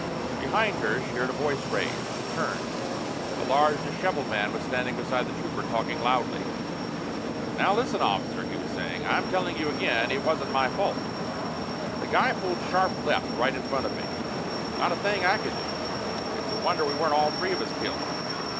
Behind her she heard a voice raised. She turned. A large, disheveled man was standing beside the Trooper, talking loudly. "Now listen, officer," he was saying, "I'm telling you again, it wasn't my fault. The guy pulled sharp left right in front of me. Not a thing I could do. It's a wonder we weren't all three of us killed.